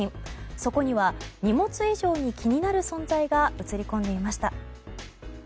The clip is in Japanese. そこには荷物以上に気になる存在が写り込んでいました。